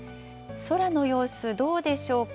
空の様子、どうでしょうか。